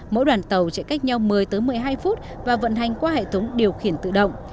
mỗi đoàn tàu sẽ cách nhau một mươi tới một mươi hai phút và vận hành qua hệ thống điều khiển tự động